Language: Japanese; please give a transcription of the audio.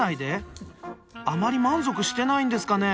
あまり満足してないんですかね。